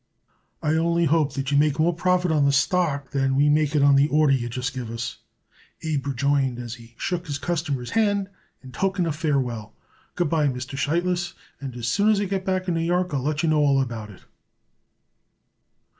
"I only hope it that you make more profit on the stock than we make it on the order you just give us," Abe rejoined as he shook his customer's hand in token of farewell. "Good by, Mr. Sheitlis, and as soon as I get back in New York I'll let you know all about it."